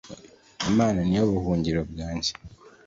Imana niyo buhungiro bwanjye